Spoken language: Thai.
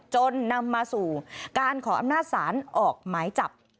จนนำมาสู่การขออำนาจศาลออกหมายจับ